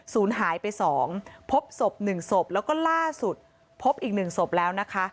ศูนย์หายไป๒พบศพ๑ศพแล้วก็ล่าสุดพบอีก๑ศพแล้วนะคะ